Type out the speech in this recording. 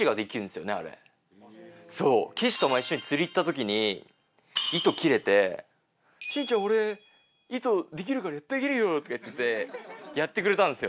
そう岸と前一緒に釣り行った時に糸切れて「慎ちゃん俺糸できるからやってあげるよ」とか言ってやってくれたんですよ。